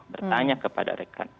bertanya kepada rekan